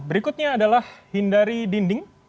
berikutnya adalah hindari dinding